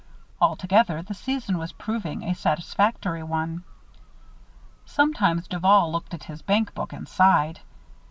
Altogether, the season was proving a satisfactory one. Sometimes Duval looked at his bankbook and sighed.